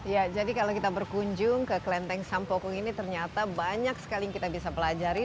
ya jadi kalau kita berkunjung ke kelenteng sampokong ini ternyata banyak sekali yang kita bisa pelajari